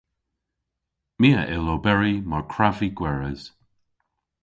My a yll oberi mar kwrav vy gweres.